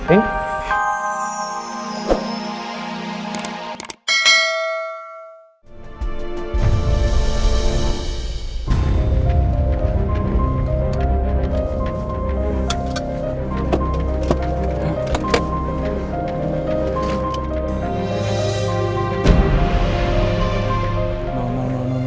tidak tidak tidak